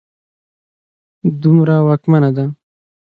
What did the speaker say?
دومره واکمنه ده